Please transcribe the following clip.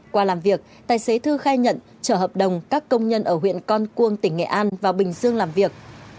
qua làm việc tài xế thư khai nhận chở hợp đồng các công nhân ở huyện con cuông tỉnh nghệ an vào bình dương làm việc